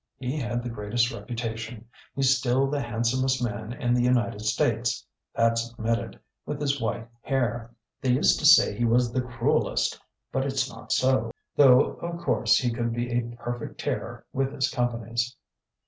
He had the greatest reputation. He's still the handsomest man in the United States that's admitted with his white hair! They used to say he was the cruellest, but it's not so. Though of course he could be a perfect terror with his companies."